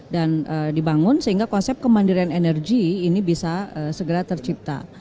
dan dibangun sehingga konsep kemandirian energi ini bisa segera tercipta